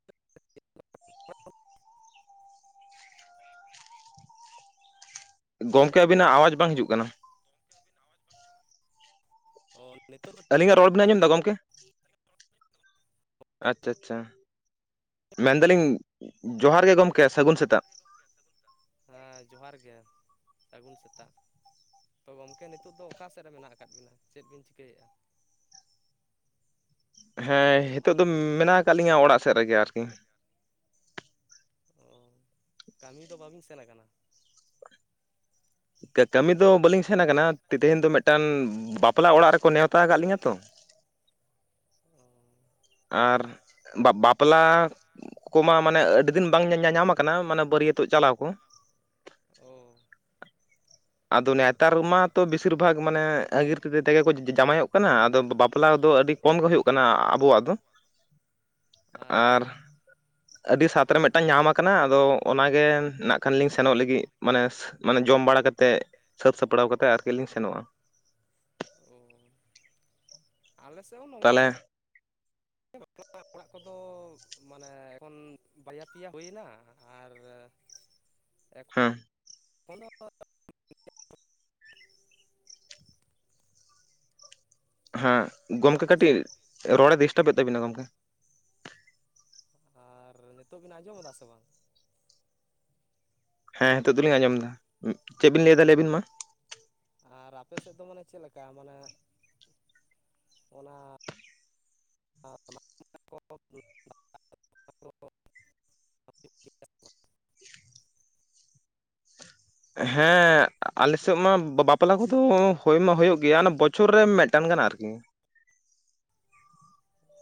[unintelligible] ᱜᱚᱝᱠᱮ ᱟᱹᱵᱤᱱᱟᱜ ᱟᱣᱟᱡᱽ ᱵᱟᱝ ᱦᱤᱡᱩᱜ ᱠᱟᱱᱟ᱾ ᱜᱚᱝᱠᱮ ᱟᱵᱤᱱᱟᱜ ᱟᱣᱟᱡ ᱵᱟᱝ ᱦᱤᱡᱩᱜ ᱠᱟᱱᱟ᱾ ᱚ ᱱᱤᱛᱚᱜ ᱫᱚ ᱴᱷᱤᱠ ᱴᱷᱟᱠ ᱦᱤᱡᱜ ᱠᱟᱱᱟ᱾ ᱟᱪᱪᱷᱟ ᱟᱪᱪᱷᱟ᱾ ᱢᱮᱱᱫᱟᱞᱤᱧ ᱡᱚᱸᱦᱟᱨ ᱜᱮ ᱜᱚᱝᱠᱮ᱾ ᱡᱚᱦᱟᱨ ᱜᱮ ᱜᱚᱝᱠᱮ ᱥᱟᱹᱜᱩᱱ ᱥᱮᱛᱟᱜ᱾ ᱦᱮᱸ ᱡᱚᱸᱦᱟᱨ ᱜᱮ ᱥᱟᱹᱜᱩᱱ ᱥᱮᱛᱟᱜ᱾ ᱛᱚ ᱜᱚᱢᱠᱮ ᱱᱤᱛᱚᱜ ᱫᱚ ᱚᱠᱟᱥᱮᱫ ᱨᱮ ᱢᱮᱱᱟᱜ ᱟᱠᱟᱫ ᱵᱤᱱᱟ? ᱪᱮᱫ ᱵᱤᱱ ᱪᱤᱠᱟᱹᱭᱮᱫᱼᱟ? ᱦᱮᱸ ᱦᱤᱛᱚᱜ ᱫᱚ ᱢᱮᱱᱟᱜ ᱢᱮᱱᱟᱜ ᱟᱠᱟᱫ ᱞᱤᱧᱟᱹ ᱚᱲᱟᱜ ᱥᱮᱫ ᱨᱮᱜᱮ ᱟᱨᱠᱤ᱾ ᱚ ᱠᱟᱹᱢᱤ ᱫᱚ ᱵᱟᱵᱤᱱ ᱥᱮᱱᱠᱟᱱᱟ᱾ ᱠᱟ-ᱠᱟᱹᱢᱤ ᱫᱚ ᱵᱟᱹᱞᱤᱧ ᱥᱮᱱ ᱟᱠᱟᱱᱟ᱾ ᱛᱮᱦᱮᱧ ᱫᱚ ᱢᱤᱫᱴᱟᱱ ᱵᱟᱯᱞᱟ ᱚᱲᱟᱜ ᱨᱮᱠᱚ ᱱᱮᱣᱛᱟ ᱟᱠᱟᱫ ᱞᱤᱧᱟᱹ ᱛᱚ᱾ ᱚ᱾ ᱟᱨ ᱵᱟ-ᱵᱟᱯᱞᱟ ᱠᱚᱢᱟ ᱢᱟᱱᱮ ᱟᱹᱰᱤ ᱫᱤᱱ ᱵᱟᱝ ᱧᱟ-ᱧᱟᱢ ᱟᱠᱟᱱᱟ ᱢᱟᱱᱮ ᱵᱟᱹᱨᱭᱟᱹᱛ᱾ ᱛᱚᱜ ᱪᱟᱞᱟᱣ ᱠᱚ᱾ ᱚ᱾ ᱟᱫᱚ ᱱᱮᱛᱟᱨ ᱢᱟᱛᱚ ᱵᱮᱥᱤᱨ ᱵᱷᱟᱜᱽ ᱢᱟᱱᱮ ᱟᱜᱤᱨ ᱛᱮ-ᱛᱮᱜᱮ ᱠᱚ ᱡᱟ-ᱡᱟ-ᱡᱟᱶᱟᱭᱚᱜ ᱠᱟᱱᱟ, ᱟᱫᱚ ᱵᱟᱯᱞᱟ ᱫᱚ ᱟᱹᱰᱤ ᱠᱚᱢ ᱜᱮ ᱦᱩᱭᱩᱜ ᱠᱟᱱᱟ ᱟᱵᱚᱣᱟᱜ ᱫᱚ᱾ ᱟᱪᱪᱷᱟ᱾ ᱟᱹᱰᱤ ᱥᱟᱛᱨᱮ ᱢᱤᱫᱴᱟᱝ ᱧᱟᱢ ᱟᱠᱟᱱᱟ ᱟᱫᱚ ᱚᱱᱟᱜᱮ ᱱᱟᱜ ᱠᱷᱟᱱᱞᱤᱧ ᱥᱮᱱᱚᱜ ᱞᱟᱹᱜᱤᱫ ᱢᱟᱱᱮ ᱢᱟᱱᱮ ᱡᱚᱢ ᱵᱟᱲᱟ ᱠᱟᱛᱮᱫ᱾ ᱠᱟᱛᱮᱫ᱾ ᱥᱟᱹᱛ ᱥᱟᱯᱲᱟᱣ ᱠᱟᱛᱮ ᱟᱨᱠᱤ ᱞᱤᱧ ᱥᱮᱱᱚᱜ-ᱟ᱾ ᱚ᱾ ᱟᱞᱮ ᱥᱮᱫ ᱦᱚᱸ ᱱᱚᱝᱠᱟ ᱜᱮ᱾ [unintelligible] ᱚᱲᱟᱜ ᱠᱚᱫᱚ ᱢᱟᱱᱮ ᱮᱠᱷᱚᱱ ᱵᱟᱨᱭᱟ ᱯᱮᱭᱟ ᱦᱩᱭᱱᱟ ᱟᱨ ᱦᱮᱸ᱾ [unintelligible] [inaudible] ᱦᱮᱸ᱾ ᱜᱚᱝᱠᱮ ᱠᱟᱴᱤᱡ ᱨᱚᱲᱮ ᱰᱤᱥᱴᱟᱵᱮᱫ ᱛᱟᱵᱤᱱᱟ ᱜᱚᱢᱠᱮ᱾ ᱟᱨ ᱱᱤᱛᱚᱜ ᱵᱮᱤᱱ ᱟᱸᱡᱚᱢᱮᱫᱟ ᱥᱮ ᱵᱟᱝ? ᱦᱮᱸ ᱦᱤᱛᱚᱜ ᱫᱚᱞᱤᱧ ᱟᱸᱡᱚᱢ ᱮᱫᱟ᱾ ᱪᱮᱫ ᱵᱤᱱ ᱞᱟᱹᱭ ᱫᱟ ᱞᱟᱹᱭ ᱵᱤᱱ ᱢᱟ᱾ ᱟᱨ ᱟᱯᱮ ᱥᱮᱫ ᱫᱚ ᱢᱟᱱᱮ ᱪᱮᱫ ᱞᱮᱠᱟ ᱢᱟᱱᱮ ᱚᱱᱟ [unintelligible] [unintelligible] ᱦᱮᱸ᱾ ᱟᱞᱮᱥᱮᱫ ᱢᱟ ᱵᱟ-ᱵᱟᱯᱞᱟ ᱠᱚᱫᱚ ᱦᱳᱭ ᱢᱟ ᱦᱩᱭᱩᱜ ᱜᱮᱭᱟ ᱚᱱᱟ ᱵᱚᱪᱷᱚᱨ ᱨᱮ ᱢᱤᱫᱴᱟᱝ ᱜᱟᱱ ᱟᱨᱠᱤ᱾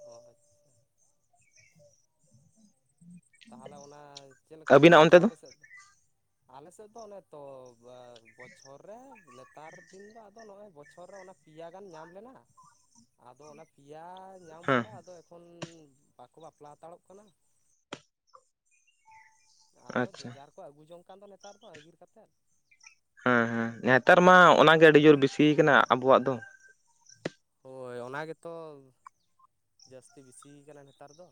ᱚ ᱦᱳᱭ᱾ ᱛᱟᱦᱚᱞᱮ ᱚᱱᱟ ᱪᱮᱫ ᱞᱮᱠᱟ ᱵᱷᱟᱵᱛᱮ ᱟᱯᱮ ᱥᱮᱫ ᱫᱚ? ᱟᱞᱮᱥᱮᱫ ᱫᱚ ᱚᱱᱮ ᱛᱚ ᱵᱟ ᱵᱚᱪᱷᱚᱨ ᱨᱮ ᱱᱮᱛᱟᱨ ᱫᱤᱱ ᱫᱚ ᱟᱫᱚ ᱱᱚᱜ-ᱚᱭ ᱵᱚᱪᱷᱚᱨ ᱨᱮ ᱚᱱᱟ ᱯᱮᱭᱟ ᱜᱟᱱ ᱧᱟᱢ ᱞᱮᱱᱟ᱾ ᱟᱫᱚ ᱚᱱᱟ ᱯᱮᱭᱟ ᱧᱟᱢ ᱯᱚᱨᱟ ᱟᱫᱚ ᱮᱠᱷᱚᱱ ᱵᱟᱠᱚ ᱵᱟᱯᱞᱟ ᱦᱟᱛᱟᱲᱚᱜ ᱠᱟᱱᱟ᱾ ᱟᱫᱚ ᱡᱮ-ᱡᱟᱨ ᱠᱚ ᱟᱹᱜᱩ ᱡᱚᱝ ᱠᱟᱱ ᱫᱚ ᱱᱮᱛᱟᱨ ᱫᱚ ᱟᱹᱜᱤᱨ ᱠᱟᱛᱮᱫ᱾ ᱦᱮᱸ ᱦᱮᱸ ᱱᱮᱛᱟᱨ ᱢᱟ ᱚᱱᱟᱜᱮ ᱟᱹᱰᱤ ᱡᱳᱨ ᱵᱤᱥᱤᱭ ᱠᱟᱱᱟ ᱟᱵᱚᱣᱟᱜ ᱫᱚ᱾ ᱦᱳᱭ ᱚᱱᱟ ᱜᱮᱛᱚ᱾ ᱡᱟᱹᱥᱛᱤ ᱵᱤᱥᱤᱭ ᱠᱟᱱᱟ ᱱᱮᱛᱟᱨ ᱫᱚ᱾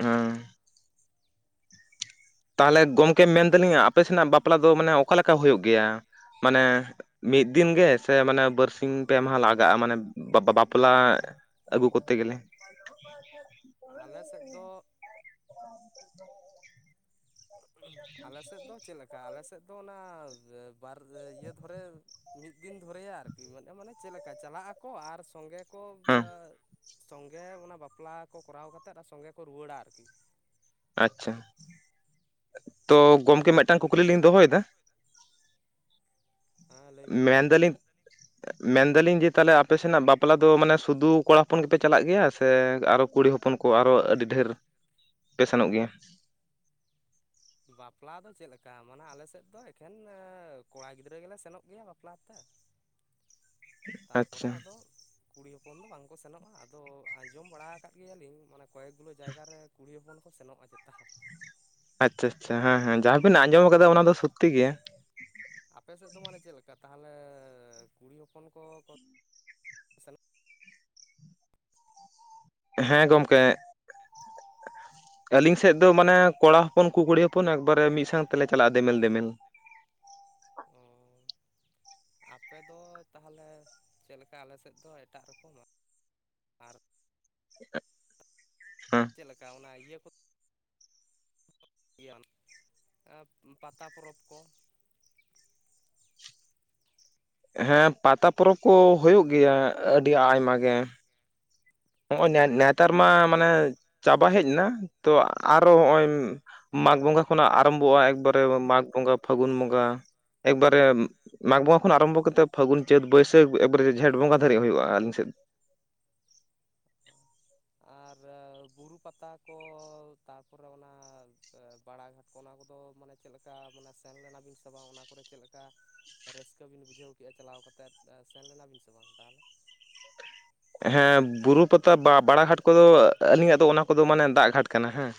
ᱦᱮᱸ᱾ ᱛᱟᱦᱚᱞᱮ ᱜᱚᱢᱠᱮ ᱢᱮᱱ ᱫᱟᱞᱤᱧ ᱟᱯᱮ ᱥᱮᱱᱟᱜ ᱵᱟᱯᱞᱟ ᱫᱚ ᱢᱟᱱᱮ ᱚᱠᱟ ᱞᱮᱠᱟ ᱦᱚᱭᱩᱜ ᱜᱮᱭᱟ ᱢᱟᱱᱮ ᱢᱤᱫ ᱫᱤᱱ ᱜᱮ ᱥᱮ ᱢᱟᱱᱮ ᱵᱟᱹᱨᱥᱤᱧ ᱯᱮ ᱢᱟᱦᱟ ᱞᱟᱜᱟᱜ-ᱟ ᱢᱟᱱᱮ ᱵᱟ ᱵᱟ ᱯᱞᱟ ᱟᱹᱜᱩ ᱠᱚᱨᱛᱮ ᱜᱮᱞᱮ᱾ [unintelligible] ᱟᱞᱮ ᱥᱮᱫ ᱫᱚ᱾ ᱟᱞᱮ ᱥᱮᱜ ᱫᱚ ᱪᱮᱜ ᱞᱮᱠᱟ ᱟᱞᱮ ᱥᱮᱜ ᱫᱚ ᱚᱱᱟ ᱵᱟᱨ ᱤᱭᱟᱹ ᱫᱷᱚᱨᱮ᱾ ᱢᱤᱫ ᱫᱤᱱ ᱫᱷᱚᱨᱮᱭᱟ ᱟᱨᱠᱤ ᱢᱟᱱᱮ ᱢᱟᱱᱮ ᱪᱮᱜ ᱞᱮᱠᱟ ᱪᱟᱞᱟᱜ ᱟᱠᱚ ᱟᱨ ᱥᱚᱸᱜᱮ ᱠᱚ᱾ ᱥᱚᱸᱜᱮ ᱚᱱᱟ ᱵᱟᱯᱞᱟ ᱠᱚ ᱠᱚᱨᱟᱣ ᱠᱟᱛᱮᱫ ᱟᱨ ᱥᱚᱸᱜᱮ ᱠᱚ ᱨᱩᱣᱟᱹᱲᱟ ᱟᱨᱠᱤ᱾ ᱟᱪᱪᱷᱟ ᱛᱚ ᱜᱚᱢᱠᱮ ᱢᱮᱜᱴᱟᱝ ᱠᱩᱠᱞᱤ ᱞᱤᱧ ᱫᱚᱦᱚᱭᱮᱫᱟ᱾ [unintelligible] ᱦᱟᱸ ᱞᱟᱹᱭᱵᱤᱱ ᱢᱟ ᱢᱮᱱ ᱫᱟᱞᱤᱧ᱾ ᱢᱮᱱᱫᱟᱞᱤᱧ ᱡᱮ ᱛᱟᱦᱞᱮ ᱟᱯᱮ ᱥᱮᱱᱟᱜ ᱵᱟᱯᱞᱟ ᱫᱚ ᱢᱟᱱᱮ ᱥᱩᱫᱩ ᱠᱚᱲᱟ ᱦᱚᱯᱚᱱ ᱜᱮᱯᱮ ᱪᱟᱞᱟᱜ ᱜᱮᱭᱟ ᱥᱮ ᱟᱨᱚ ᱠᱩᱲᱤ ᱦᱚᱯᱚᱱ ᱠᱚ ᱟᱨᱚ ᱟᱹᱰᱤ ᱰᱷᱮᱨ ᱯᱮ ᱥᱮᱱᱚᱜ ᱜᱮᱭᱟ᱾ ᱵᱟᱯᱞᱟ ᱫᱚ ᱪᱮᱜ ᱞᱮᱠᱟ ᱢᱟᱱᱮ ᱟᱞᱮ ᱥᱮᱫ ᱫᱚ ᱮᱠᱷᱮᱱ ᱮᱸ ᱠᱚᱲᱟ ᱜᱤᱫᱽᱨᱟᱹ ᱜᱮᱞᱮ ᱥᱮᱱᱚᱜ ᱜᱮᱭᱟ ᱵᱟᱯᱞᱟ ᱦᱟᱛᱟ ᱛᱟᱯᱚᱨᱮ ᱟᱫᱚ᱾ ᱠᱩᱲᱤ ᱦᱚᱯᱚᱱ ᱫᱚ ᱵᱟᱝᱠᱚ ᱥᱮᱱᱚᱜ-ᱟ ᱟᱫᱚ ᱟᱸᱡᱚᱢ ᱵᱟᱲᱟ ᱟᱠᱟᱫ ᱜᱮᱭᱟᱞᱤᱧ ᱢᱟᱱᱮ ᱠᱚᱭᱮᱠ ᱜᱩᱞᱳ ᱡᱟᱭᱜᱟ ᱨᱮ ᱠᱩᱲᱤ ᱦᱚᱯᱚᱱ ᱠᱚ ᱥᱮᱱᱚᱜ-ᱟ ᱪᱮᱛᱟ᱾ ᱟᱪᱪᱷᱟ ᱟᱪᱪᱷᱟ ᱦᱮᱸ ᱦᱮᱸ ᱡᱟᱦᱟ ᱵᱤᱱ ᱟᱸᱡᱚᱢ ᱠᱟᱫᱟ ᱚᱱᱟ ᱫᱚ ᱥᱚᱛᱛᱤ ᱜᱮᱭᱟ᱾ ᱟᱯᱮ ᱥᱮᱫ ᱫᱚ ᱢᱟᱱᱮ ᱪᱮᱜ ᱞᱮᱠᱟ ᱛᱟᱦᱞᱮ ᱠᱩᱲᱤ ᱦᱚᱯᱚᱱ ᱠᱚ ᱠᱚ᱾ ᱦᱮᱸ ᱜᱚᱢᱠᱮ᱾ [inaudible] ᱟᱞᱤᱧ ᱥᱮᱜ ᱫᱚ ᱢᱟᱱᱮ ᱠᱚᱲᱟ ᱦᱚᱯᱚᱱ ᱠᱩ ᱠᱩᱲᱤ ᱦᱚᱯᱚᱱ ᱮᱠᱵᱟᱨᱮ ᱢᱤᱜ ᱥᱟᱝ ᱛᱮᱞᱮ ᱪᱟᱞᱟᱜ-ᱟ ᱫᱮᱢᱮᱞ ᱫᱮᱢᱮᱞ᱾ ᱚᱻ᱾ ᱟᱯᱮ ᱫᱚ ᱛᱟᱦᱞᱮ ᱪᱮᱜ ᱞᱮᱠᱟ ᱟᱞᱮ ᱥᱮᱫ ᱫᱚ ᱮᱴᱟᱜ ᱨᱚᱠᱚᱢᱟ᱾ ᱪᱮᱜ ᱞᱮᱠᱟ ᱚᱱᱟ ᱤᱭᱟᱹ ᱠᱚ᱾ ᱜᱮᱭᱟᱱ ᱟᱸ ᱯᱟᱛᱟ ᱯᱚᱨᱚᱵᱽ ᱠᱚ᱾ ᱦᱮᱸ ᱯᱟᱛᱟ ᱯᱚᱨᱚᱵᱽ ᱠᱚ ᱦᱳᱭᱳᱜ ᱜᱮᱭᱟ ᱟᱹᱰᱤ ᱟᱭᱢᱟ ᱜᱮ᱾ ᱦᱚᱸᱜ-ᱚᱭ ᱱᱮ-ᱱᱮᱛᱟᱨ ᱢᱟ ᱢᱟᱱᱮ ᱪᱟᱵᱟ ᱦᱮᱡ ᱱᱟ ᱛᱚ ᱟᱨᱚ ᱦᱚᱸᱜ-ᱚᱭ᱾ ᱢᱟᱜᱽ ᱵᱚᱸᱜᱟ ᱠᱷᱚᱱᱟᱜ ᱟᱨᱟᱢᱵᱚᱜ-ᱟ ᱮᱠᱵᱟᱨᱮ ᱢᱟᱜᱽ ᱵᱚᱸᱜᱟ ᱯᱷᱟᱹᱜᱩᱱ ᱵᱚᱸᱜᱟ ᱮᱠᱵᱟᱨᱮ᱾ ᱢᱟᱜᱽ ᱵᱚᱸᱜᱟ ᱠᱷᱚᱱ ᱟᱨᱟᱢᱵᱚ ᱠᱟᱛᱮᱜ ᱯᱷᱟᱹᱜᱩᱱ ᱪᱟᱹᱛ ᱵᱟᱹᱭᱥᱟᱹᱠ ᱮᱠᱵᱟᱨᱮ ᱡᱷᱮᱸᱴ ᱵᱚᱸᱜᱟ ᱫᱷᱟᱹᱨᱤᱡ ᱦᱳᱭᱳᱜ-ᱟ ᱟᱞᱤᱧ ᱥᱮ [inaudible] ᱚ᱾ ᱟᱨ ᱵᱩᱨᱩ ᱯᱟᱛᱟ ᱠᱚ ᱛᱟᱯᱚᱨᱮ ᱚᱱᱟ ᱮᱸ ᱵᱟᱲᱟ ᱜᱷᱟᱴ᱾ ᱚᱱᱟ ᱠᱚᱫᱚ ᱢᱟᱱᱮ ᱪᱮᱜ ᱞᱮᱠᱟ ᱢᱟᱱᱮ ᱥᱮᱱ ᱞᱮᱱᱟ ᱵᱤᱱ ᱥᱮ ᱵᱟᱝ ᱚᱱᱟ ᱠᱚᱨᱮ ᱪᱮᱜ ᱞᱮᱠᱟ᱾ ᱨᱟᱹᱥᱠᱟᱹ ᱵᱤᱱ ᱵᱩᱡᱷᱟᱹᱣ ᱠᱮᱜ-ᱟ ᱪᱟᱞᱟᱣ ᱠᱟᱛᱮᱫ ᱥᱮᱱ ᱞᱮᱱᱟ ᱵᱤᱱ ᱥᱮ ᱵᱟᱝ ᱛᱟᱦᱞᱮ? ᱦᱮᱸ ᱵᱩᱨᱩ ᱯᱟᱛᱟ ᱵᱟ ᱵᱟᱲᱟ ᱜᱷᱟᱴ ᱠᱚᱫᱚ ᱟᱹᱞᱤᱧᱟᱜ ᱫᱚ ᱚᱱᱟ ᱠᱚᱫᱚ ᱢᱟᱱᱮ ᱫᱟᱜ ᱜᱷᱟᱴ ᱠᱟᱱᱟ ᱦᱮᱸ᱾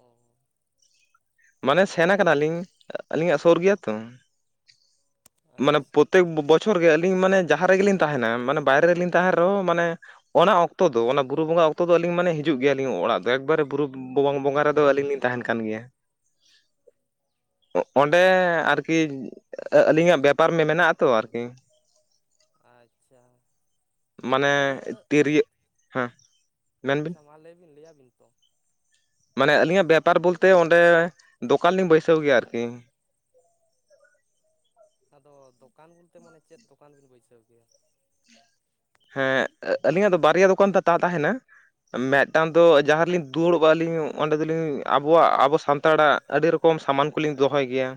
ᱚᱻ᱾ ᱢᱟᱱᱮ ᱥᱮᱱ ᱠᱟᱱᱟ ᱞᱤᱧ ᱟᱹᱞᱤᱧᱟᱜ ᱥᱳᱨ ᱜᱮᱭᱟ ᱛᱚ᱾ ᱢᱟᱱᱮ ᱯᱚᱛᱮᱠ ᱵᱚᱪᱷᱚᱨ ᱜᱮ ᱟᱹᱞᱤᱧ ᱢᱟᱱᱮ ᱡᱟᱦᱟ ᱨᱮᱜᱮ ᱞᱤᱧ ᱛᱟᱦᱮᱱᱟ ᱢᱟᱱᱮ ᱵᱟᱭᱨᱮ ᱨᱮᱞᱤᱧ ᱛᱟᱦᱮᱱ ᱨᱮᱦᱚᱸ ᱢᱟᱱᱮ᱾ ᱚᱱᱟ ᱚᱠᱛᱚ ᱫᱚ ᱚᱱᱟ ᱵᱩᱨᱩ ᱵᱚᱸᱜᱟ ᱚᱠᱛᱚ ᱫᱚ ᱟᱹᱞᱤᱧ ᱢᱟᱱᱮ ᱦᱤᱡᱩᱜ ᱜᱮᱭᱟ ᱞᱤᱧ ᱚᱲᱟᱜ ᱫᱚ ᱮᱠᱵᱟᱨᱮ ᱵᱩᱨᱩ ᱵᱚᱸᱜᱟ ᱨᱮᱫᱚ ᱟᱹᱞᱤᱧ ᱞᱤᱧ ᱛᱟᱦᱮᱱ ᱠᱟᱱ ᱜᱮᱭᱟ᱾ ᱚᱸᱰᱮ ᱟᱨ ᱠᱤ ᱟ ᱟᱹᱞᱤᱧᱟᱜ᱾ ᱞᱤᱧᱟᱜ ᱵᱮᱯᱟᱨ ᱢᱮᱱᱟᱜ ᱟᱛᱚ ᱟᱨ ᱠᱤ, ᱟᱪᱪᱷᱟ᱾ ᱟᱫᱚ ᱱᱤᱭᱟᱹ ᱟᱪᱪᱷᱟ ᱢᱟ ᱞᱟᱹᱭ ᱵᱤᱱ ᱞᱟᱹᱭᱟ ᱟᱵᱤᱱ ᱛᱚ᱾ ᱢᱟᱱᱮ ᱟᱹᱞᱤᱧᱟᱜ ᱵᱮᱯᱟᱨ ᱵᱚᱞᱛᱮ ᱚᱸᱰᱮ ᱫᱚᱠᱟᱱ ᱞᱤᱧ ᱵᱟᱹᱭᱥᱟᱹᱣ ᱜᱮᱭᱟ ᱟᱨ ᱠᱤ᱾ ᱟᱫᱚ ᱫᱚᱠᱟᱱ ᱵᱳᱞᱛᱮ ᱢᱟᱱᱮ ᱪᱮᱫ ᱫᱚᱠᱟᱱ ᱵᱤᱱ ᱵᱟᱹᱭᱥᱟᱹᱣ ᱜᱮᱭᱟ? ᱦᱮᱸᱜ ᱟᱹ ᱟᱹᱞᱤᱧᱟᱜ ᱫᱚ ᱵᱟᱨᱭᱟ ᱫᱚᱠᱟᱱ ᱫᱚ ᱛᱟ ᱛᱟᱦᱮᱱᱟ ᱢᱮᱜᱴᱟᱝ ᱫᱚ ᱡᱟᱦᱟᱸ ᱨᱮᱞᱤᱧ ᱫᱩᱲᱩᱵ ᱟᱹᱞᱤᱧ ᱚᱸᱰᱮ ᱫᱚ ᱞᱤᱧ ᱟᱵᱚᱣᱟᱜ ᱟᱵᱚ ᱥᱟᱱᱛᱟᱲᱟᱜ ᱟᱹᱰᱤ ᱨᱚᱠᱚᱢ ᱥᱟᱢᱟᱱ ᱠᱚᱞᱤᱧ ᱫᱚᱦᱚᱭ ᱜᱮᱭᱟ,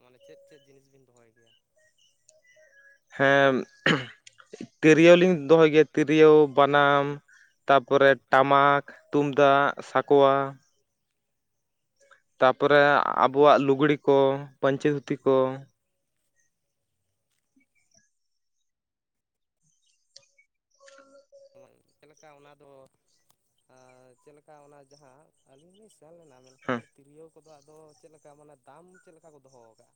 ᱢᱟᱱᱮ ᱪᱮᱫ ᱪᱮᱫ ᱡᱤᱱᱤᱥ ᱵᱤᱱ ᱫᱚᱦᱚᱭ ᱜᱮᱭᱟ? ᱦᱮᱸᱢ ᱛᱤᱨᱭᱳ ᱞᱤᱧ ᱫᱚᱦᱚᱭ ᱜᱮ ᱛᱤᱨᱭᱳᱣ, ᱵᱟᱱᱟᱢ ᱛᱟᱯᱚᱨᱮ ᱴᱟᱢᱟᱠ, ᱛᱩᱢᱫᱟᱜ, ᱥᱟᱠᱣᱟ ᱛᱟᱯᱚᱨᱮ ᱟᱵᱚᱣᱟᱜ ᱞᱩᱜᱽᱲᱤ ᱠᱚ ᱯᱟᱹᱧᱪᱤ ᱫᱷᱩᱛᱤ ᱠᱚ, ᱚᱢᱚᱝ ᱪᱮᱜ ᱞᱮᱠᱟ ᱚᱱᱟ ᱫᱚ ᱟᱻᱻ ᱪᱮᱜ ᱞᱮᱠᱟ ᱚᱱᱟ ᱡᱟᱦᱟᱸ ᱟᱹᱞᱤᱧ ᱞᱤᱧ ᱥᱤ- ᱥᱮᱱ ᱞᱮᱱᱟ ᱢᱮᱱᱠᱷᱟᱱ ᱛᱤᱨᱭᱳᱣ ᱠᱚ ᱫᱚ ᱟᱫᱚ ᱪᱮᱜ ᱞᱮᱠᱟ ᱢᱟᱱᱮ ᱫᱟᱢ ᱪᱮᱜ ᱞᱮᱠᱟ ᱠᱚ ᱫᱚᱦᱚᱣ ᱠᱟᱜ-ᱟ?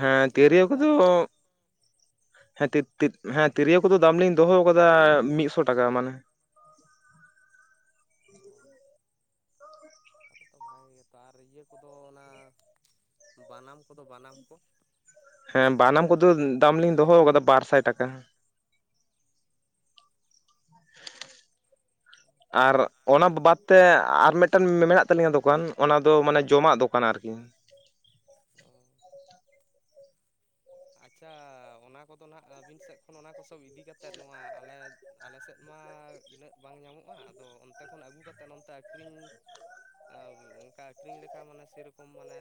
ᱦᱮᱸ ᱛᱤᱨᱭᱳ ᱠᱚᱫᱚᱻ ᱦᱮᱸ ᱛᱤᱛ ‌ᱛᱤᱛ‌ ᱦᱮᱸᱫ ᱦᱮᱸ ᱛᱤᱨᱭᱳ ᱠᱚᱫᱚ ᱫᱟᱢ ᱞᱤᱧ ᱫᱚᱦᱚᱣ ᱠᱟᱫᱟ ᱢᱤᱫᱥᱚ ᱴᱟᱠᱟ ᱢᱟᱱᱮ᱾ ᱚ ᱟᱫᱚ ᱛᱚ ᱵᱷᱟᱜᱮ ᱜᱮᱛᱚ ᱟᱨ ᱤᱭᱟᱹ ᱠᱚ ᱫᱚ ᱚᱱᱟ ᱵᱟᱱᱟᱢ ᱠᱚ ᱫᱚ ᱵᱟᱱᱟᱢ ᱠᱚ? ᱦᱮᱸ ᱵᱟᱱᱟᱢ ᱠᱚᱫᱚ ᱫᱟᱢ ᱞᱤᱧ ᱫᱚᱦᱚ ᱠᱟᱫᱟ ᱵᱟᱨ ᱥᱟᱭ ᱴᱟᱠᱟ᱾ [inaudible] ᱟᱨ ᱚᱱᱟ ᱵᱟ-ᱵᱟᱫᱽ ᱛᱮ ᱟᱨ ᱢᱤᱫᱴᱮᱱ ᱢᱮ-ᱢᱮᱱᱟᱜ ᱛᱟᱹᱞᱤᱧᱟ ᱫᱚᱠᱟᱱ ᱚᱱᱟ ᱫᱚ ᱢᱟᱱᱮ ᱡᱚᱢᱟᱜ ᱫᱚᱠᱟᱱ ᱟᱨ ᱠᱤ᱾ [inaudible] ᱚᱻᱻ [inaudible] ᱟᱪᱷᱟ ᱚᱱᱟ ᱠᱚᱫᱚ ᱦᱟᱸᱜ ᱟᱹᱵᱤᱱ ᱥᱮᱫ ᱠᱷᱚᱱ ᱚᱱᱟ ᱠᱚ ᱥᱚᱵᱽ ᱤᱫᱤ ᱠᱟᱛᱮᱜ ᱱᱚᱣᱟ ᱟᱞᱮ ᱟᱞᱮ ᱥᱮᱫ ᱢᱟ ᱤᱱᱟᱹᱜ ᱵᱟᱝ ᱧᱟᱢᱚᱜ-ᱟ ᱟᱫᱚ ᱚᱱᱛᱮ ᱠᱷᱚᱱ ᱟᱹᱜᱩ ᱠᱟᱛᱮ ᱱᱚᱱᱛᱮ ᱟᱹᱠᱷᱨᱤᱧ ᱚᱱᱠᱟ ᱟᱹᱠᱷᱨᱤᱧ ᱞᱮᱠᱟ ᱢᱟᱱᱮ ᱥᱮ ᱨᱚᱠᱚᱢ ᱢᱟᱱᱮ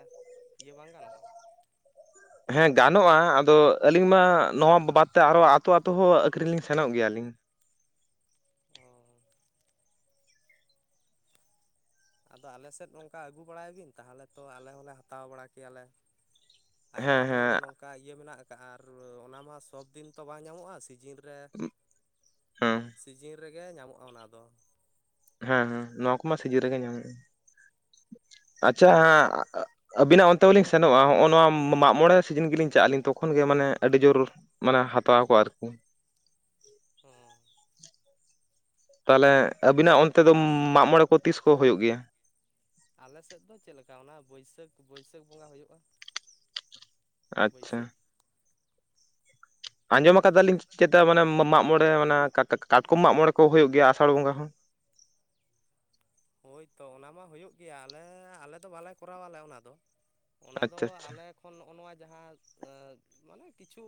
ᱤᱭᱟᱹ ᱵᱟᱝ ᱜᱟᱱᱚᱜ-ᱟ᱾ ᱦᱮᱸ ᱜᱟᱱᱚᱜ-ᱟ ᱟᱫᱚ ᱟᱹᱞᱤᱧ ᱢᱟ ᱱᱚᱣᱟ ᱵᱟᱫᱽ ᱛᱮ ᱟᱨᱚ ᱟᱛᱳ ᱟᱛᱳ ᱦᱚᱸ ᱟᱹᱠᱷᱨᱤᱧ ᱞᱤᱧ ᱥᱮᱱᱚᱜ ᱜᱮᱭᱟ ᱞᱤᱧ᱾ ᱚᱻᱻ ᱟᱫᱚ ᱟᱞᱮ ᱥᱮᱫ ᱚᱝᱠᱟ ᱟᱹᱜᱩ ᱵᱟᱲᱟᱭ ᱵᱤᱱ ᱛᱟᱦᱚᱞᱮ ᱛᱚ ᱟᱞᱮ ᱦᱚᱸᱞᱮ ᱦᱟᱛᱟᱣ ᱵᱟᱲᱟ ᱠᱮᱭᱟ ᱞᱮ ᱟᱭᱢᱟ ᱦᱚᱲ ᱱᱚᱝᱠᱟ ᱤᱭᱟᱹ ᱢᱮᱱᱟᱜ ᱟᱠᱟᱜ-ᱟ ᱟᱨ ᱚᱱᱟ ᱢᱟ ᱥᱚᱵᱽ ᱫᱤᱱ ᱛᱚ ᱵᱟᱝ ᱧᱟᱢᱚᱜ-ᱟ ᱥᱤᱡᱤᱱ ᱨᱮ [inaudible] ᱥᱤᱡᱤᱱ ᱨᱮᱜᱮ ᱧᱟᱢᱚᱜ-ᱟ ᱚᱱᱟ ᱫᱚ᱾ ᱦᱮᱸ ᱦᱮᱸ ᱱᱚᱣᱟ ᱠᱚᱢᱟ ᱥᱤᱡᱤᱱ ᱨᱮᱜᱮ ᱧᱟᱢᱚᱜ-ᱟ, ᱟᱪᱷᱟ ᱟᱹᱵᱤᱱᱟᱜ ᱚᱱᱛᱮ ᱦᱚᱸᱞᱤᱧ ᱥᱮᱱᱚᱜ-ᱟ ᱦᱚᱜ-ᱚ ᱱᱚᱣᱟ ᱢᱟᱜ ᱢᱚᱬᱮ ᱥᱤᱡᱤᱱ ᱜᱮᱞᱤᱧ ᱪᱟᱜ ᱟᱹᱞᱤᱧ ᱛᱚᱠᱷᱚᱱ ᱜᱮ ᱢᱟᱱᱮ ᱟᱹᱰᱤ ᱡᱳᱨ ᱢᱟᱱᱮ ᱦᱟᱛᱟᱣ ᱯᱮ ᱟᱨᱠᱤ ᱦᱮᱸᱻᱻ ᱛᱟᱦᱚᱞᱮ ᱟᱹᱵᱤᱱᱟᱜ ᱚᱱᱛᱮ ᱫᱚ ᱢᱟᱜ ᱢᱚᱬᱮ ᱠᱚ ᱛᱤᱥ ᱠᱚ ᱦᱩᱭᱩᱜ ᱜᱮᱭᱟ? ᱟᱞᱮᱥᱮᱫ ᱫᱚ ᱪᱮᱫ ᱞᱮᱠᱟ ᱚᱱᱟ ᱵᱟᱹᱭᱥᱟᱹᱠᱷ ᱵᱟᱹᱭᱥᱟᱹᱠᱷ ᱵᱚᱸᱜᱟ ᱦᱳᱭᱳᱜ-ᱟ᱾ ᱟᱪᱷᱟ ᱟᱸᱡᱚᱢ ᱟᱠᱟᱫᱟᱞᱤᱧ ᱪᱮ-ᱪᱮᱛᱟ ᱢᱟᱱᱮ ᱢᱟ-ᱢᱟᱜ ᱢᱚᱬᱮ ᱚᱱᱟ ᱠᱟᱴ-ᱠᱟᱴᱠᱚᱢ ᱢᱟᱜ ᱢᱚᱬᱮ ᱠᱚ ᱦᱳᱭᱳᱜ ᱜᱮᱭᱟ ᱟᱥᱟᱲ ᱵᱚᱸᱜᱟ ᱦᱚᱸ ᱦᱳᱭᱛᱚ ᱚᱱᱟ ᱢᱟ ᱦᱩᱭᱩᱜ ᱜᱮᱭᱟ ᱟᱞᱮ ᱟᱞᱮᱫᱚ ᱵᱟᱞᱮ ᱠᱚᱨᱟᱣ ᱟᱞᱮ ᱚᱱᱟ ᱫᱚ ᱚᱱᱟ ᱫᱚ ᱟᱞᱮ ᱠᱷᱚᱱ ᱱᱚᱜ-ᱚ ᱱᱚᱣᱟ ᱡᱟᱦᱟᱸ ᱢᱟᱱᱮ ᱠᱤᱪᱷᱩ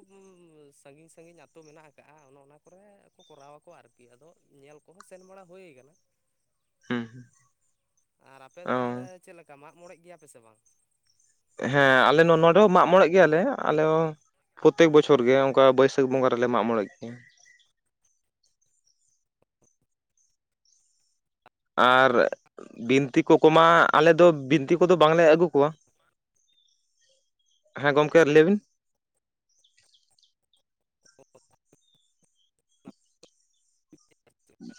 ᱥᱟᱺᱜᱤᱧ ᱥᱟᱺᱜᱤᱧ ᱟᱛᱳ ᱢᱮᱱᱟᱜ ᱟᱠᱫ-ᱟ ᱚᱱᱮ ᱚᱱᱟ ᱠᱚᱨᱮ ᱠᱚ ᱠᱚᱨᱟᱣ ᱟᱠᱚ ᱟᱨᱠᱤ ᱠᱤ ᱟᱫᱚ ᱧᱮᱞ ᱠᱚᱦᱚᱸ ᱥᱮᱱ ᱵᱟᱲᱟ ᱦᱳᱭ ᱠᱟᱱᱟ᱾ ᱦᱩᱸ- ᱟᱨ ᱟᱯᱮ ᱫᱚ ᱛᱟᱦᱚᱞᱮ ᱪᱮᱫ ᱞᱮᱠᱟ ᱢᱟᱜ ᱢᱚᱬᱮᱜ ᱜᱮᱭᱟ ᱯᱮ ᱥᱮ ᱵᱟᱝ? ᱦᱮᱸ ᱟᱞᱮ ᱱᱚᱰᱮ ᱢᱟᱜ ᱢᱚᱬᱮᱜ ᱜᱮᱭᱟᱞᱮ ᱟᱞᱮ ᱯᱨᱚᱛᱛᱮᱠ ᱵᱚᱪᱷᱚᱨ ᱜᱮ ᱚᱱᱠᱟ ᱵᱟᱹᱭᱥᱟᱹᱠᱷ ᱵᱚᱸᱜᱟ ᱨᱮᱞᱮ ᱢᱟᱜ ᱢᱚᱬᱮᱜ ᱜᱮᱭᱟ, ᱟᱨ ᱵᱤᱱᱛᱤ ᱠᱚ ᱠᱚ ᱢᱟ ᱟᱞᱮ ᱫᱚ ᱵᱤᱱᱛᱤ ᱠᱚ ᱫᱚ ᱵᱟᱝᱞᱮ ᱟᱹᱜᱩ ᱠᱚᱣᱟ᱾ ᱦᱮᱸ ᱜᱚᱝᱠᱮ ᱟᱨ ᱞᱟᱹᱭ ᱵᱤᱱ, [inaudible] ᱟᱨ ᱪᱮᱫ ᱛᱮ [inaudible]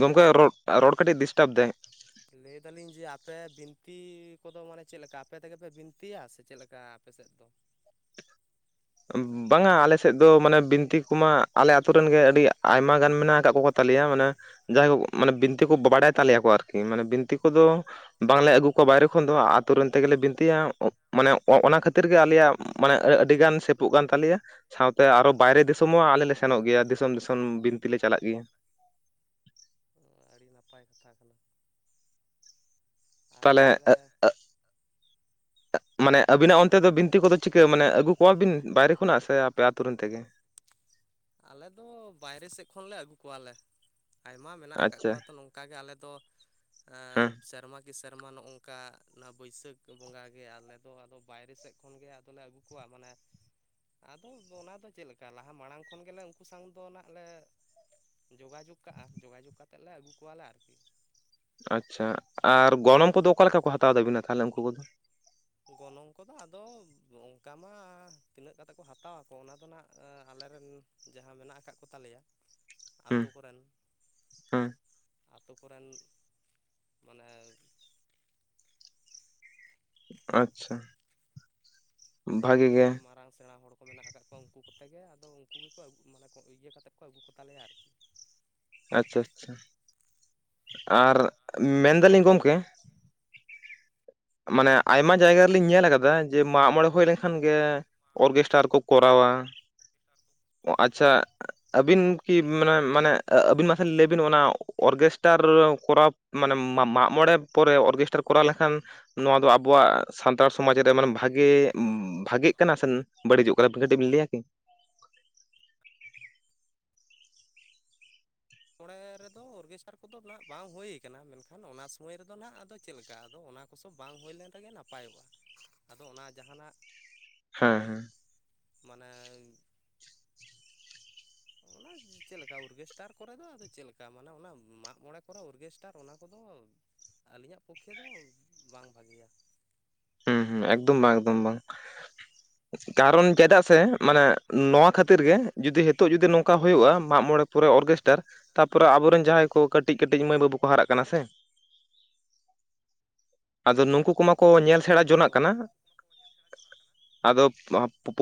ᱜᱚᱢᱠᱮ ᱨᱚᱲ, ᱨᱚᱲ ᱠᱟᱹᱴᱤᱡ ᱰᱤᱥᱴᱟᱵᱽ ᱫᱟᱭ, ᱞᱟᱹᱭ ᱫᱟᱞᱤᱧ ᱡᱮ ᱟᱯᱮ ᱵᱤᱱᱛᱤ ᱠᱚᱫᱚ ᱢᱟᱱᱮ ᱪᱮᱫ ᱞᱮᱠᱟ ᱟᱯᱮ ᱛᱮᱜᱮ ᱯᱮ ᱵᱤᱱᱛᱤᱭᱟ ᱥᱮ ᱪᱮᱫ ᱞᱮᱠᱟ? ᱟᱯᱮᱥᱮᱫ ᱫᱚ? ᱵᱟᱝᱟ ᱟᱞᱮ ᱥᱮᱫ ᱫᱚ ᱢᱟᱱᱮ ᱵᱤᱱᱛᱤ ᱠᱚᱢᱟ ᱟᱞᱮ ᱟᱛᱳ ᱨᱮᱱ ᱜᱮ ᱟᱹᱰᱤ ᱟᱭᱢᱟ ᱜᱟᱱ ᱢᱮᱱᱟᱜ ᱟᱠᱟᱫ ᱠᱚ ᱛᱟᱞᱮᱭᱟ ᱢᱟᱱᱮ ᱡᱟᱦᱟᱸᱭ ᱦᱚᱠ ᱢᱟᱱᱮ ᱵᱤᱱᱛᱤ ᱠᱚ ᱵᱟᱲᱟᱭ ᱛᱟᱞᱮᱭᱟᱠᱚ ᱟᱨᱠᱤ, ᱢᱟᱱᱮ ᱵᱤᱱᱛᱤ ᱠᱚᱫᱚ ᱵᱟᱝᱞᱮ ᱟᱹᱜᱩ ᱠᱚᱣᱟ ᱵᱟᱭᱨᱮ ᱠᱷᱚᱱ ᱫᱚ, ᱟᱛᱳ ᱨᱮᱱ ᱛᱮᱜᱮᱞᱮ ᱵᱤᱱᱛᱤᱭᱟ ᱢᱟᱱᱮ ᱚᱱᱟ ᱠᱷᱟᱹᱛᱤᱨ ᱜᱮ ᱟᱞᱮᱭᱟᱜ ᱢᱟᱱᱮ ᱟᱹᱰᱤ ᱜᱟᱱ ᱥᱮᱯᱚᱜ ᱠᱟᱱ ᱛᱟᱞᱮᱭᱟ᱾ ᱥᱟᱶᱛᱮ ᱟᱨᱚ ᱵᱟᱭᱨᱮ ᱫᱤᱥᱚᱢ ᱦᱚᱸ ᱟᱞᱮᱞᱮ ᱞᱮ ᱥᱮᱱᱚᱜ ᱜᱮᱭᱟ, ᱫᱤᱥᱚᱢ ᱫᱤᱥᱚᱢ ᱵᱤᱱᱛᱤ ᱞᱮ ᱪᱟᱞᱟᱜ ᱜᱮᱭᱟ᱾ ᱚ ᱟᱹᱰᱤ ᱱᱟᱯᱟᱭ ᱠᱟᱛᱷᱟ ᱠᱟᱱᱟ ᱟᱨ ᱛᱟᱦᱚᱞᱮ ᱢᱟᱱᱮ ᱟᱹᱵᱤᱱᱟᱜ ᱚᱱᱛᱮ ᱫᱚ ᱵᱤᱱᱛᱤ ᱠᱚᱫᱚ ᱪᱤᱠᱟᱹ ᱢᱟᱱᱮ ᱟᱹᱜᱩ ᱠᱚᱣᱟᱵᱤᱱ ᱵᱟᱭᱨᱮ ᱠᱷᱚᱱᱟᱜ ᱥᱮ ᱟᱯᱮ ᱟᱛᱳᱮᱱ ᱛᱮᱜᱮ? ᱟᱞᱮ ᱫᱚ ᱵᱟᱭᱨᱮ ᱥᱮᱫ ᱠᱷᱚᱱᱞᱮ ᱟᱹᱜᱩ ᱠᱚᱣᱟᱞᱮ, ᱟᱭᱢᱟ ᱢᱮᱱᱟᱜ ᱟᱠᱟᱫ ᱠᱚᱣᱟ ᱛᱚ ᱱᱚᱝᱠᱟ ᱚᱱᱠᱟᱜᱮ ᱟᱞᱮᱫᱚ ᱥᱮᱨᱢᱟ ᱠᱤ ᱥᱮᱨᱢᱟ ᱱᱚᱜᱝᱠᱟ, ᱚᱱᱟ ᱵᱟᱹᱭᱥᱟᱹᱠᱷ ᱵᱚᱸᱜᱟ ᱜᱮ ᱟᱞᱮ ᱫᱚ, ᱟᱫ ᱵᱟᱭᱨᱮ ᱥᱮᱫ ᱠᱷᱚᱱᱜᱮ ᱟᱫᱚᱞᱮ ᱟᱹᱜᱩ ᱠᱚᱣᱟ ᱢᱟᱱᱮ, ᱟᱫᱚ ᱚᱱᱟᱫᱚ ᱪᱮᱫ ᱞᱮᱠᱟ, ᱞᱟᱦᱟ ᱢᱟᱲᱟᱝ ᱠᱷᱚᱱ ᱜᱮᱞᱮ ᱩᱱᱠᱩ ᱥᱟᱝ ᱫᱚ ᱱᱟᱜ ᱞᱮ, ᱡᱳᱜᱟᱡᱳᱜᱽ ᱠᱟᱜᱼᱟ, ᱡᱳᱜᱟᱡᱳᱜᱽ ᱠᱟᱛᱮᱫ ᱞᱮ ᱟᱹᱜᱩ ᱠᱚᱣᱟᱞᱮ ᱟᱨᱠᱤ, ᱟᱪᱪᱷᱟ, ᱟᱨ ᱜᱚᱱᱚᱢ ᱠᱚᱫᱚ ᱚᱠᱟ ᱞᱮᱠᱟ ᱠᱚ ᱦᱟᱛᱟᱣ ᱫᱟᱵᱤᱱᱟ ᱛᱟᱦᱚᱞᱮ ᱩᱱᱠᱩ ᱜᱚᱱᱚᱝ ᱠᱚᱫᱚ ᱟᱫᱚ ᱚᱱᱠᱟ ᱢᱟ, ᱛᱤᱱᱟᱹᱜ ᱠᱟᱛᱮᱫ ᱠᱚ ᱦᱟᱛᱟᱣᱟᱚ ᱚᱱᱟ ᱫᱚ ᱱᱟᱜ ᱟᱞᱮᱨᱮᱱ ᱡᱟᱦᱟᱸ ᱢᱮᱱᱟᱜ ᱟᱠᱟᱫ ᱠᱚᱛᱟᱞᱮᱭᱟ ᱟᱛᱳ ᱠᱚᱨᱮᱱ, ᱟᱛᱳ ᱠᱚᱨᱮᱱ ᱢᱟᱱᱮ, ᱟᱪᱪᱷᱟ, ᱟᱛᱳ ᱠᱚᱨᱮᱱ ᱢᱟᱨᱟᱝ ᱥᱮᱲᱟ ᱦᱚᱲ ᱠᱚ ᱢᱮᱱᱟᱜ ᱟᱠᱟᱫ ᱩᱱᱠᱩ ᱠᱚᱛᱮ ᱜᱮ ᱟᱫᱚ ᱩᱱᱠᱩ ᱜᱮᱠᱚ ᱢᱟᱱᱮ ᱤᱭᱟᱹ ᱠᱟᱛᱮᱫ ᱠᱚ ᱟᱹᱜᱩ ᱠᱚᱛᱟ ᱞᱮᱭᱟ ᱟᱨᱠᱤ, ᱟᱪᱪᱷᱟ ᱟᱪᱪᱷᱟ, ᱟᱨ ᱢᱮᱱᱫᱟᱞᱤᱧ ᱜᱚᱝᱠᱮ ᱢᱟᱱᱮ ᱟᱭᱢᱟ ᱡᱟᱭᱜᱟ ᱨᱮᱞᱤᱧ ᱧᱮᱞ ᱟᱠᱟᱫᱟ ᱡᱮ ᱢᱟᱜ ᱢᱚᱬᱮ ᱦᱩᱭ ᱞᱮᱱᱠᱷᱟᱱ ᱜᱮ ᱚᱨᱜᱮᱥᱴᱟᱨ ᱠᱚ ᱠᱚᱨᱟᱣᱟ, [unintelligible] ᱟᱪᱪᱷᱟ ᱟᱹᱵᱤᱱ ᱠᱤ ᱢᱟᱱᱮ ᱢᱟᱱᱮ ᱟᱹᱵᱤᱱ ᱢᱟᱥᱮ ᱞᱟᱹᱭ ᱵᱤᱱ ᱚᱱᱟ, ᱚᱨᱜᱮᱥᱴᱟᱨ ᱠᱚᱨᱟᱣ ᱢᱟᱱᱮ, ᱢᱟᱜ ᱢᱚᱬᱮ ᱯᱚᱨᱮ ᱚᱨᱜᱮᱥᱴᱟᱨ ᱠᱚᱨᱟᱣ ᱞᱮᱠᱷᱟᱱ ᱱᱚᱣᱟ ᱫᱚ ᱟᱵᱚᱣᱟᱜ ᱥᱟᱱᱛᱟᱲ ᱥᱚᱢᱟᱡᱽ ᱨᱮ ᱢᱟᱱᱮ ᱵᱷᱟᱜᱮ, ᱵᱷᱟᱜᱮᱜ ᱠᱟᱱᱟ ᱥᱮ ᱵᱟᱹᱲᱤᱡᱚᱜ ᱠᱟᱱᱟ ᱠᱟᱹᱴᱤᱡ ᱵᱤᱱ ᱞᱟᱹᱭᱟ ᱠᱤ? ᱢᱟᱜ ᱢᱚᱬᱮ ᱨᱮᱫᱚ ᱚᱨᱜᱮᱥᱴᱟᱨ ᱠᱚᱫᱚ ᱱᱟᱜ ᱵᱟᱝ ᱦᱩᱭ ᱠᱟᱱᱟ᱾ᱢᱮᱱᱠᱷᱟᱱ ᱚᱱᱟ ᱥᱩᱚᱢᱚᱭ ᱨᱮᱫᱚ ᱱᱟᱦᱟᱜ ᱟᱫᱚ ᱪᱮᱫ ᱞᱮᱠᱟ ᱟᱫᱚ ᱚᱱᱟ ᱠᱚᱥᱚᱵ ᱵᱟᱝ ᱦᱩᱭ ᱞᱮᱱ ᱨᱮᱜᱮ ᱱᱟᱯᱟᱭᱚᱜᱼᱟ᱾ᱟᱫᱚ ᱚᱱᱟ ᱡᱟᱦᱟᱱᱟᱜ ᱦᱮᱸ᱾ ᱢᱟᱱᱮ, ᱚᱱᱟ ᱪᱮᱫᱮᱠᱟ ᱚᱨᱜᱮᱥᱴᱟᱨ ᱠᱚᱨᱮ ᱫᱚ ᱟᱫᱚ ᱪᱮᱫ ᱞᱮᱠᱟ ᱢᱟᱱᱮ, ᱚᱱᱟ ᱢᱟᱜ ᱢᱚᱬᱮ ᱠᱚᱨᱮ ᱚᱨᱜᱮᱥᱴᱟᱨ ᱚᱱᱟ ᱠᱚᱫᱚ, ᱟᱹᱞᱤᱧᱟᱜ ᱯᱚᱠᱠᱷᱮ ᱫᱚ ᱵᱟᱝ ᱵᱷᱟᱜᱮᱭᱟ᱾ ᱦᱩᱸ ᱦᱩᱸ ᱮᱠᱫᱚᱢ ᱵᱟᱝ, ᱮᱠᱫᱚᱢ ᱵᱟᱝ ᱾ ᱠᱟᱨᱚᱱ ᱪᱮᱫᱟᱜ ᱥᱮ, ᱢᱟᱱᱮ ᱱᱚᱣᱟ ᱠᱷᱟᱹᱛᱤᱨ ᱜᱮ ᱡᱩᱫᱤ ᱱᱤᱛᱚᱜ ᱡᱩᱫᱤ ᱱᱚᱝᱠᱟ ᱦᱩᱭᱩᱜᱼᱟ ᱢᱟᱜ ᱢᱚᱬᱮ ᱠᱚ ᱯᱚᱨᱮ ᱚᱨᱠᱮᱥᱴᱟᱨ, ᱛᱟᱯᱚᱨᱮ ᱟᱵᱚᱨᱮᱱ ᱡᱟᱦᱟᱸᱭ ᱠᱚ ᱠᱟᱹᱴᱤᱡᱠᱟᱹᱴᱤᱡ ᱠᱟᱹᱴᱤᱡ ᱢᱟᱹᱭ ᱵᱟᱹᱵᱩ ᱠᱚ ᱦᱟᱨᱟᱜ ᱠᱟᱱᱟ ᱥᱮ, ᱟᱫᱚ ᱱᱩᱠᱩ ᱠᱚᱢᱟ ᱠᱚ ᱧᱮᱞ ᱥᱮᱲᱟ ᱡᱚᱱᱟᱜ ᱠᱟᱱᱟ ᱾ ᱧᱮᱞ ᱥᱮᱬᱟ ᱡᱚᱱᱟᱜ ᱠᱟᱱᱟ ᱾ ᱟᱫᱚ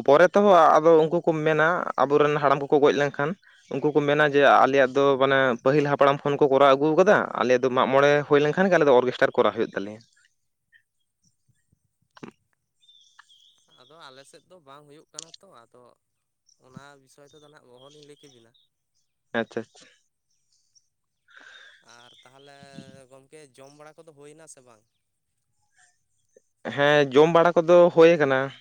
ᱯᱚᱨᱮ ᱛᱮᱦᱚᱸ ᱟᱫᱚ ᱩᱱᱠᱩ ᱠᱚ ᱢᱮᱱᱟ, ᱟᱵᱚᱨᱮᱱ ᱦᱟᱲᱟᱢ ᱠᱚᱠᱚ ᱜᱚᱡ ᱞᱮᱱᱠᱷᱟᱱ ᱩᱱᱠᱩ ᱠᱚ ᱢᱮᱱᱟ ᱡᱮ ᱟᱞᱮᱭᱟᱜ ᱫᱚ ᱢᱟᱱᱮ ᱯᱟᱹᱦᱤᱞ ᱦᱟᱯᱲᱟᱢ ᱠᱷᱚᱱ ᱠᱚ ᱠᱚᱨᱟᱣ ᱟᱹᱜᱩ ᱟᱠᱟᱫᱟ ᱟᱞᱮᱭᱟᱜ ᱫᱚ ᱢᱟᱜ ᱢᱚᱬᱮ ᱦᱩᱭ ᱞᱮᱱᱠᱷᱟᱱ ᱜᱮ ᱟᱞᱮ ᱫᱚ ᱚᱨᱜᱮᱥᱴᱟᱨ ᱠᱚᱨ ᱦᱩᱭᱩᱜ ᱛᱟᱞᱮᱭᱟ ᱾ ᱟᱫᱚ ᱟᱞ ᱥᱮᱫ ᱫᱚ ᱵᱟᱝ ᱦᱩᱭᱩᱜ ᱠᱟᱱᱟ ᱛᱚ ᱟᱫᱚ ᱾ ᱚᱱᱟ ᱵᱤᱥᱚᱭ ᱛᱮᱫᱚ ᱱᱟᱦᱟᱜ ᱚᱦᱚᱜᱚᱞᱤᱧ ᱞᱟᱹᱭ ᱠᱮᱵᱤᱱᱟ ᱾ ᱟᱪᱪᱷᱟ ᱟᱪᱷᱟ ᱾ ᱟᱨ ᱛᱟᱦᱚᱞᱮ ᱜᱚᱢᱠᱮ ᱡᱚᱢ ᱵᱟᱲᱟ ᱠᱚᱫᱚ ᱦᱩᱭᱱᱟ ᱥᱮ ᱵᱟᱝ? ᱦᱮᱸ ᱡᱚᱢ ᱵᱟᱲᱟ ᱠᱚᱫᱚ ᱦᱩᱭ ᱟᱠᱟᱱᱟ ᱾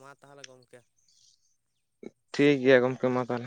ᱢᱟ ᱛᱟᱦᱚᱞᱮ ᱜᱚᱢᱠᱮ ᱾ ᱴᱷᱤᱠ ᱜᱮᱭᱟ ᱜᱚᱢᱠᱮ ᱢᱟ ᱛᱟᱦᱚᱞᱮ ᱾